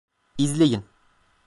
İzleyin.